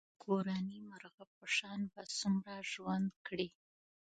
کورني مرغه په شان به څومره ژوند کړې.